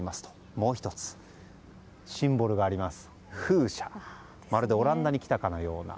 もう１つ、シンボルがあります。